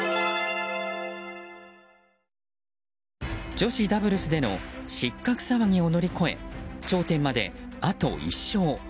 女子ダブルスでの失格騒ぎを乗り越え頂点まで、あと１勝。